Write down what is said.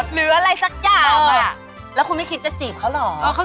หรืออะไรสักอย่างแล้วคุณไม่คิดจะจีบเขาเหรอ